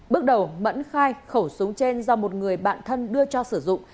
bước đầu mẫn khai khẩu súng trên do một người bạn thân đưa cho sử dụng